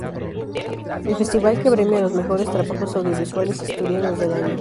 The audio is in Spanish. El Festival que premia los mejores trabajos audiovisuales asturianos del año.